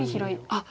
あっ！